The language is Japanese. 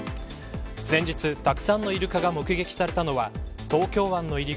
先日、たくさんのイルカが目撃されたのは東京湾の入り口